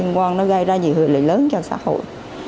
nó gây ra nhiều hệ lực lớn cho xã hội